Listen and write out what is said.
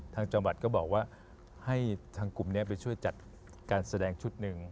ทางจังหวัดก็บอกว่าให้ทางกลุ่มนี้ไปช่วยจัดการแสดงชุดหนึ่ง